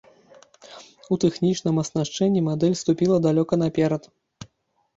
У тэхнічным аснашчэнні мадэль ступіла далёка наперад.